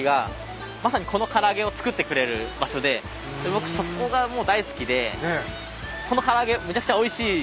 僕そこが大好きでこの唐揚げめちゃくちゃおいしい。